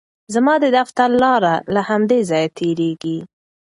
زما د دفتر لاره له همدې ځایه تېریږي.